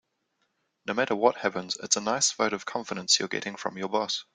No matter what happens, it's a nice vote of confidence you're getting from your boss.